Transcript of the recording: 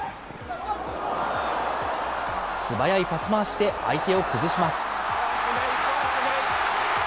素早いパス回しで相手を崩します。